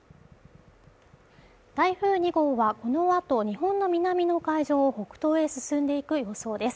台風２号はこのあと日本の南の海上を北東へ進んでいく予想です。